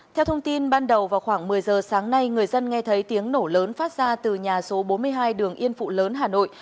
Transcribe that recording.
theo thông tin ban đầu vào khoảng một mươi giờ sáng nay người dân nghe thấy tiếng nổ lớn phát ra từ nhà số bốn mươi hai đường yên phụ lớn hà nội